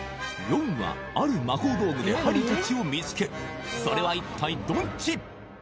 ロンはある魔法道具でハリーたちを見つけるそれは一体どっち？